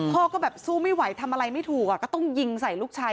พ่อก็แบบสู้ไม่ไหวทำอะไรไม่ถูกก็ต้องยิงใส่ลูกชาย